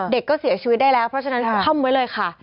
เด็กก็เสียชีวิตได้แล้วเพราะฉะนั้นค่อมไว้เลยค่ะ